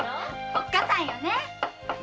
おっかさんよね。